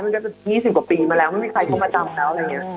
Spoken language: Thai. มันก็จะ๒๐กว่าปีมาแล้วไม่มีใครเข้ามาจำแล้ว